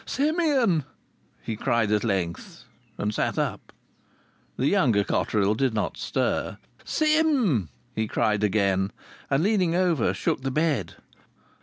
"Simeon!" he cried at length, and sat up. The younger Cotterill did not stir. "Sim!" he cried again, and, leaning over, shook the bed.